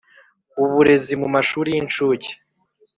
uburezi mu mashuri y incuke